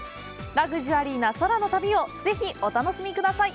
ラグジュアリーな空の旅をぜひお楽しみください。